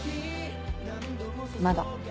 まだ。